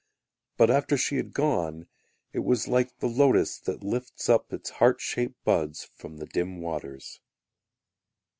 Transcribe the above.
But, after she had gone, It was like the lotus that lifts up Its heart shaped buds from the dim waters.